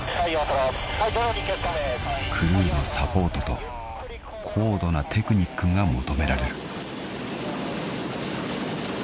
［クルーのサポートと高度なテクニックが求められる］